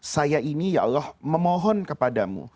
saya ini ya allah memohon kepadamu